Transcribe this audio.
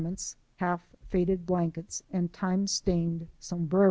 ments, half faded blankets, and time stained sombreros.